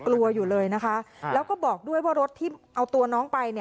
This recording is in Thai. กลัวอยู่เลยนะคะแล้วก็บอกด้วยว่ารถที่เอาตัวน้องไป